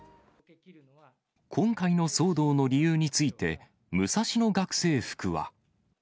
今回の騒動の理由について、ムサシノ学生服は。